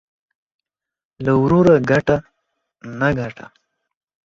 له وروره گټه ، نه گټه.